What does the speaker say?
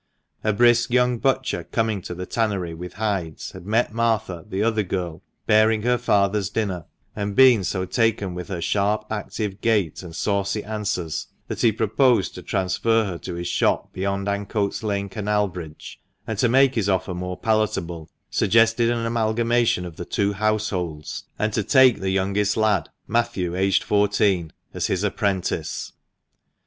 A brisk young butcher coming to the tannery with hides had met Martha, the other girl, bearing her father's dinner, and been so taken with her sharp, active gait, and saucy answers, that he proposed to transfer her to his shop beyond Ancoats Lane canal bridge, and to make his offer more palatable, suggested an amalgamation of the two households, and to take the youngest lad — Matthew, aged fourteen — as his apprentice.